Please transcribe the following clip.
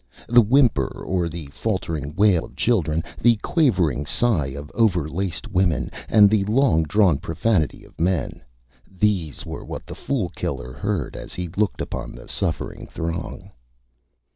The Whimper or the faltering Wail of Children, the quavering Sigh of overlaced Women, and the long drawn Profanity of Men these were what the Fool Killer heard as he looked upon the Suffering Throng.